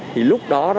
thì lúc đó